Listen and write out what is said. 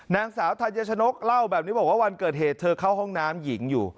นางสาวธัญชนกเล่าแบบนี้บอกว่าวันเกิดเหตุเธอเข้าห้องน้ำหญิงอยู่